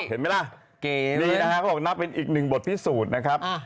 เห็นไหมล่ะเก๋นี่นะฮะเขาบอกน่าเป็นอีกหนึ่งบทพิสูจน์นะครับ